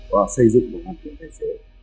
vào xây dựng và hoàn thiện thể xế